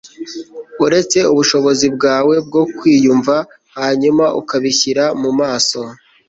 uretse ubushobozi bwawe bwo kwiyumva, hanyuma ukabishyira mu maso